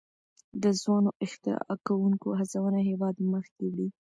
د ځوانو اختراع کوونکو هڅونه هیواد مخکې وړي.